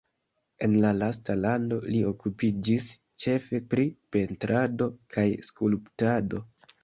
En la lasta lando li okupiĝis ĉefe pri pentrado kaj skulptado.